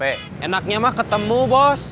enaknya mah ketemu bos